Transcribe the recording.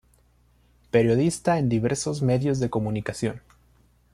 Periodista en diversos medios de comunicación.